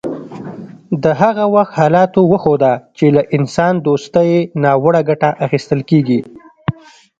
د هغه وخت حالاتو وښوده چې له انسان دوستۍ ناوړه ګټه اخیستل کیږي